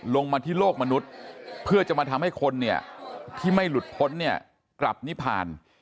ลงมาที่โลกมนุษย์เพื่อจะมาทำให้คนเนี่ยที่ไม่หลุดพ้นเนี่ยกลับนิพาน